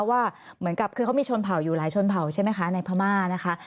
ว่าเหมือนกับคือเขามีชนเผ่าอยู่หลายชนเผ่าใช่ไหมคะในพม่านะคะ